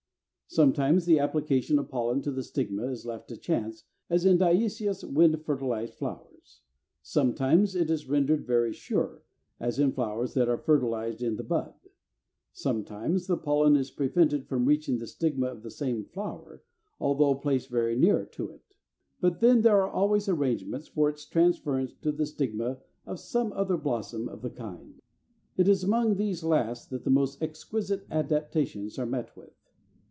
330. Sometimes the application of pollen to the stigma is left to chance, as in diœcious wind fertilized flowers; sometimes it is rendered very sure, as in flowers that are fertilized in the bud; sometimes the pollen is prevented from reaching the stigma of the same flower, although placed very near to it, but then there are always arrangements for its transference to the stigma of some other blossom of the kind. It is among these last that the most exquisite adaptations are met with.